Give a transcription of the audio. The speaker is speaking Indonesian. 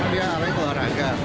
dia arahnya ke olahraga